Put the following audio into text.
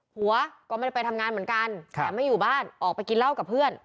หัวก็ไม่ได้ไปทำงานเหมือนกันแต่ไม่อยู่บ้านออกไปกินเหล้ากับเพื่อน